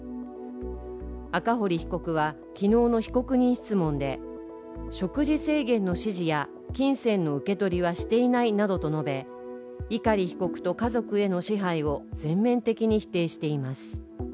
赤堀被告は、昨日の被告人質問で食事制限の指示や金銭の受け取りはしていないなどと述べ碇被告と家族への支配を全面的に否定しています。